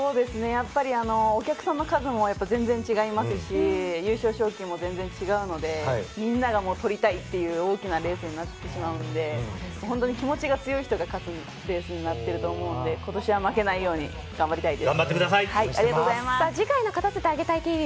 お客さんの数も全然違いますし、優勝賞金も違うので、みんなが取りたいという大きなレースになってしまうんで、本当に気持ちが強い人が勝つレースになっていると思うので、ことしは負けないように頑張りたいです。